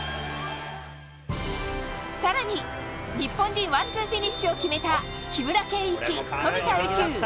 さらに日本人ワンツーフィニッシュを決めた木村敬一、富田宇宙。